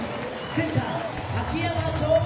センター、秋山翔吾！